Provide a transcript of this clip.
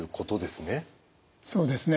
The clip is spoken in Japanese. そうですね。